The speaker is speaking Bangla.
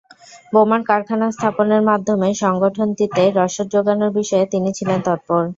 বোমার কারখানা স্থাপনের মাধ্যমে সংগঠনটিতে রসদ জোগানোর বিষয়ে তিনি ছিলেন তৎপর।